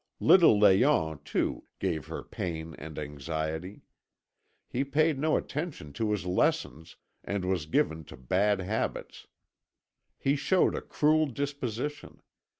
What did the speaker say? Little Léon, too, gave her pain and anxiety. He paid no attention to his lessons, and was given to bad habits. He showed a cruel disposition.